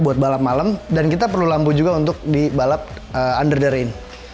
buat balap malam dan kita perlu lampu juga untuk di balap underder ini